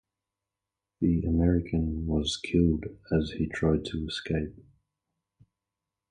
The American was killed as he tried to escape.